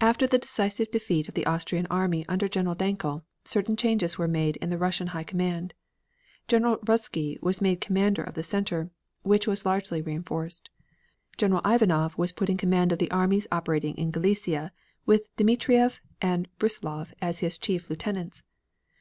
After the decisive defeat of the Austrian army under General Dankl, certain changes were made in the Russian High Command. General Ruzsky was made commander of the center, which was largely reinforced. General Ivanov was put in command of the armies operating in Galicia with Dmitrieff and Brussilov as his chief lieutenants.